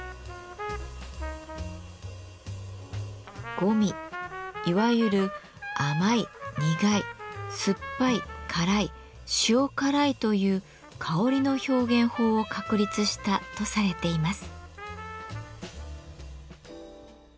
「五味」いわゆる「甘い・苦い・酸っぱい辛い・しおからい」という香りの表現法を確立したとされています。